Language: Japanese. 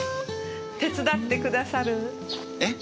手伝ってくださる？え？